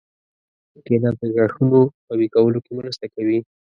کېله د غاښونو قوي کولو کې مرسته کوي.